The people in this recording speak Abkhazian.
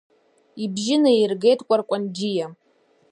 Ибжьы наиргеит Кәаркәанџьиа.